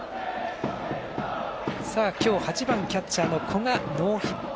今日、８番キャッチャーの古賀、ノーヒット。